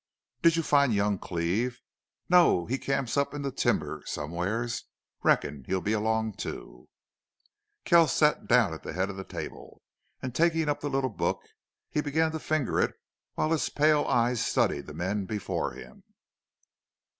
"Did you find young Cleve?" "No. He camps up in the timber somewheres. Reckon he'll be along, too." Kells sat down at the head of the table, and, taking up the little book, he began to finger it while his pale eyes studied the men before him.